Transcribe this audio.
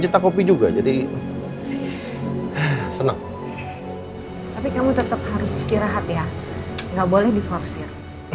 tapi kamu tetep harus istirahat ya gak boleh di forsir